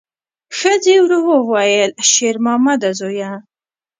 ښځې ورو وویل: شېرمامده زویه!